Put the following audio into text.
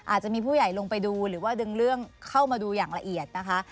อาจจะมีผู้ใหญ่ลงไปดูหรือว่าดึงเรื่องเข้ามาดูอย่างละเอียดนะคะ